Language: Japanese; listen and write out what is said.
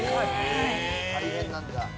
大変なんだ。